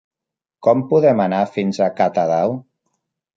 Com podem anar fins a Catadau?